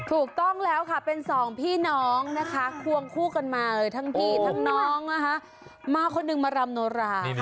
ถูกต้องแล้วค่ะเป็นสองพี่น้องนะคะควงคู่กันมาเลยทั้งพี่ทั้งน้องนะคะมาคนหนึ่งมารำโนรา